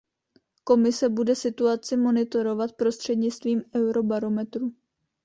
Komise bude situaci monitorovat prostřednictvím Eurobarometru.